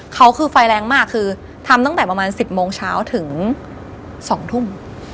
เขาคือไฟแรงมากคือทำตั้งแต่ประมาณ๑๐โมงเช้าถึง๒ทุ่ม